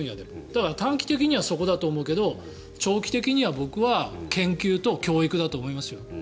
だから短期的にはそこだと思うけど長期的には僕は研究と教育だと思いますよ。